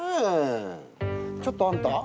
ちょっとあんた。